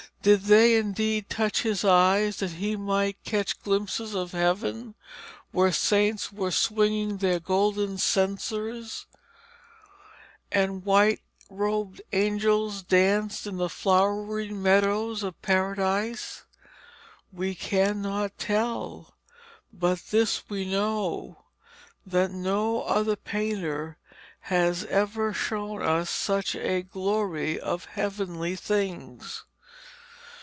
Did they indeed touch his eyes that he might catch glimpses of a Heaven where saints were swinging their golden censers, and white robed angels danced in the flowery meadows of Paradise? We cannot tell; but this we know, that no other painter has ever shown us such a glory of heavenly things.